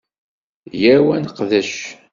Yyaw ad neqdec!